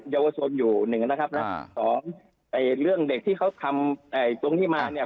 เยาวชนอยู่หนึ่งนะครับนะสองเรื่องเด็กที่เขาทำตรงนี้มาเนี่ย